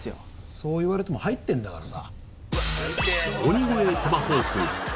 そう言われても入ってんだからさ